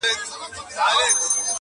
د جرگې به يو په لس پورته خندا سوه!!